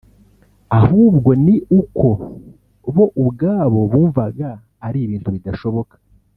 ahubwo ni uko bo ubwabo bumvaga ari ibintu bidashoboka